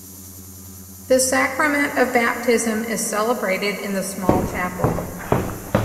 The sacrament of baptism is celebrated in the small chapel.